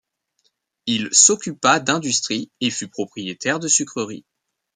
Il s'occupa d'industrie et fut propriétaire de sucreries.